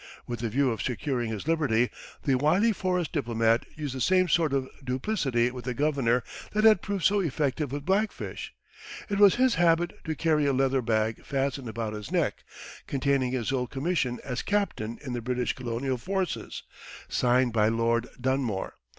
With the view of securing his liberty, the wily forest diplomat used the same sort of duplicity with the governor that had proved so effective with Black Fish. It was his habit to carry a leather bag fastened about his neck, containing his old commission as captain in the British colonial forces, signed by Lord Dunmore.